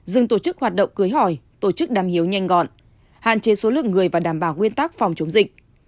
dừng tổ chức hoạt động cưới hỏi tổ chức đàm hiếu nhanh gọn hạn chế số lượng người và đảm bảo nguyên tắc phòng chống dịch